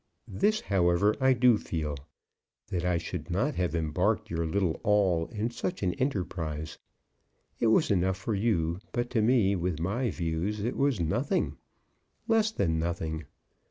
This, however, I do feel, that I should not have embarked your little all in such an enterprise. It was enough for you; but to me, with my views, it was nothing, less than nothing.